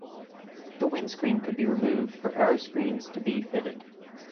The windscreen could be removed for aeroscreens to be fitted.